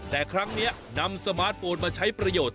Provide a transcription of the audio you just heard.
แต่ครั้งนี้นำสมาร์ทโฟนมาใช้ประโยชน์